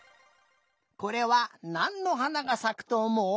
これはなんのはながさくとおもう？